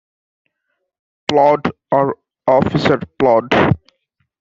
Plod or Officer Plod.